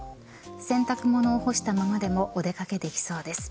洗濯物を干したままでもお出掛けできそうです。